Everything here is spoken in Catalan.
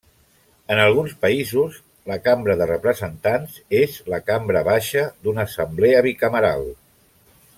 En alguns països, la Cambra de Representants és la cambra baixa d'una assemblea bicameral.